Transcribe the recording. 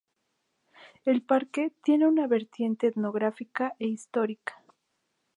El parque tiene un vertiente etnográfica e histórica.